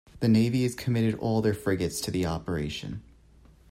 The Navy has committed all their frigates to the operation.